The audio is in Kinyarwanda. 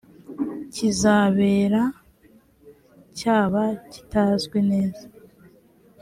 kizabera cyaba kitazwi neza